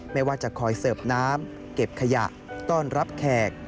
ไม่ว่าจะคอยเสิร์ฟน้ำเก็บขยะต้อนรับแขก